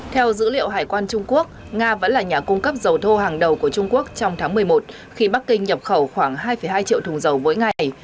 theo dữ liệu hải quan trung quốc nga vẫn là nhà cung cấp dầu thô hàng đầu của trung quốc trong tháng một mươi một khi bắc kinh nhập khẩu khoảng hai hai triệu thùng dầu mỗi ngày